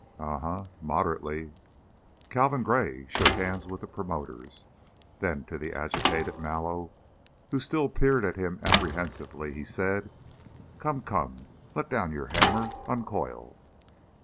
"Um m, moderately." Calvin Gray shook hands with the promoters, then to the agitated Mallow, who still peered at him apprehensively, he said: "Come, come! Let down your hammer! Uncoil!"